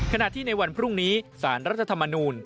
ขณะที่ในวันพรุ่งนี้สารรัฐธรรมนูล